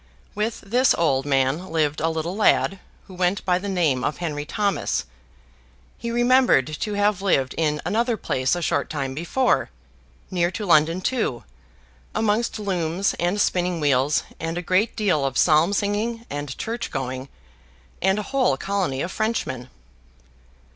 With this old man lived a little lad, who went by the name of Henry Thomas. He remembered to have lived in another place a short time before, near to London too, amongst looms and spinning wheels, and a great deal of psalm singing and church going, and a whole colony of Frenchmen.